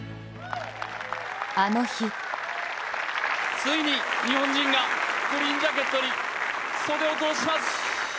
あの日ついに日本人が、グリーンジャケットに袖を通します！